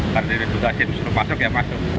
karena ditugasin masuk ya masuk